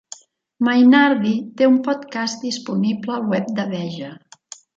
Mainardi té un podcast disponible al web de Veja.